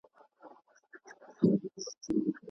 بشري وضعې قوانین د ژوند حق ته په کومه اندازه قایل دي؟